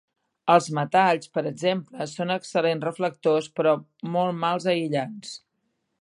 Els metalls, per exemple, són excel·lents reflectors però molt mals aïllants.